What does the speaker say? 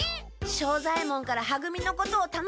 庄左ヱ門からは組のことをたのまれてるから！